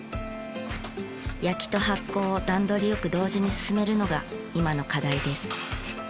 焼きと発酵を段取りよく同時に進めるのが今の課題です。